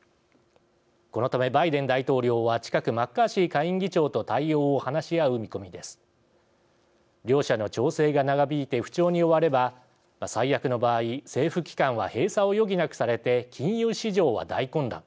このため、バイデン大統領は近くマッカーシー下院議長と対応を話し合う見込みです。両者の調整が長引いて不調に終われば、最悪の場合政府機関は閉鎖を余儀なくされて金融市場は大混乱。